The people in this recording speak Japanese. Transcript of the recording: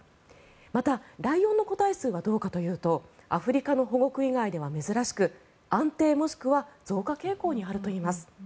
また、ライオンの個体数はどうかというとアフリカの保護区以外では珍しく安定、もしくは増加傾向にあるといいます。